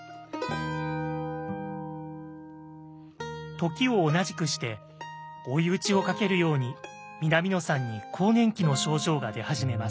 時を同じくして追い打ちをかけるように南野さんに更年期の症状が出始めます。